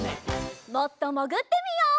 もっともぐってみよう。